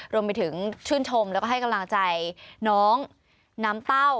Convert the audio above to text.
รวมไปถึงชื่นชมแล้วก็ให้กำลังใจน้องน้ำเต้า